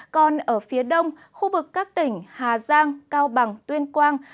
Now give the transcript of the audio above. còn ở phía đông khu vực các tỉnh hà giang cao bằng tuyên quang